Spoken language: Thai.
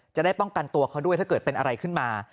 จะได้ป้องกันตัวเขาด้วยถ้าเกิดเป็นอะไรขึ้นมา